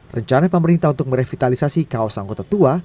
rencana pemerintah untuk merevitalisasi kawasan kota tua